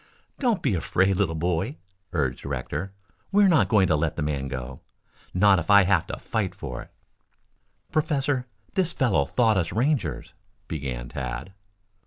"Don't be afraid, little boy," urged Rector. "We are not going to let the man go not if I have to fight for it." "Professor, this fellow thought us Rangers," began Tad.